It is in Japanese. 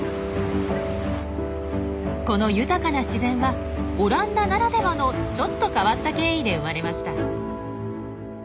この豊かな自然はオランダならではのちょっと変わった経緯で生まれました。